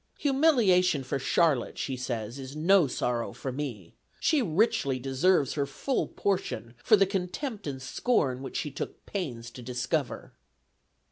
"Humiliation for Charlotte," she says, "is no sorrow for me. She richly deserves her full portion for the contempt and scorn which she took pains to discover."